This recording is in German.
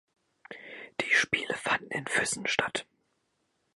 Die Spiele fanden in Füssen statt.